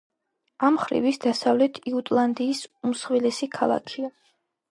ამ მხრივ ის დასავლეთ იუტლანდიის უმსხვილესი ქალაქია.